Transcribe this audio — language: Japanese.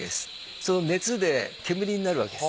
その熱で煙になるわけです。